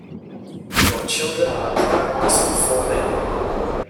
Your children are driving us before them.